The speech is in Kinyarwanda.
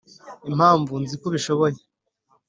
'impamvu nzi ko ubishoboye